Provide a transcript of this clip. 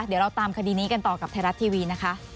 เดี๋ยวเราตามคดีนี้กันต่อกับไทยรัฐทีวีนะคะ